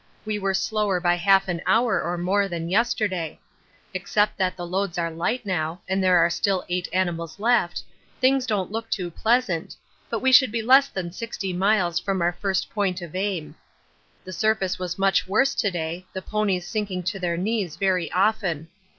We were slower by half an hour or more than yesterday. Except that the loads are light now and there are still eight animals left, things don't look too pleasant, but we should be less than 60 miles from our first point of aim. The surface was much worse to day, the ponies sinking to their knees very often.